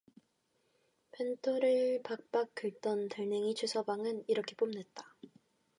벤또를 박박 긁던 달냉이 최서방은 이렇게 뽐냈다.